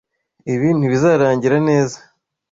Ibi ntibizarangira neza.